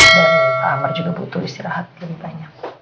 dan pak amar juga butuh istirahat lebih banyak